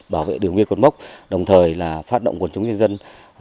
bảo vệ đường nguyên quân mốc đồng thời phát động quần chúng nhân dân